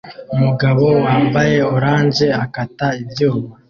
Umugabo wambaye orange akata ibyuma